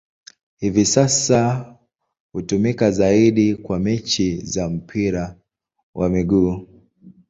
Hivi sasa hutumika zaidi kwa mechi za mpira wa miguu.